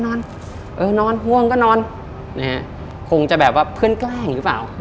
นอนเออนอนห่วงก็นอนนะฮะคงจะแบบว่าเพื่อนแกล้งหรือเปล่า